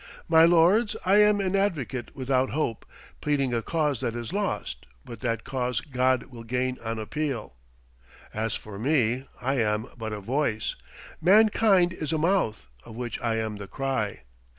My lords, I am an advocate without hope, pleading a cause that is lost; but that cause God will gain on appeal. As for me, I am but a voice. Mankind is a mouth, of which I am the cry.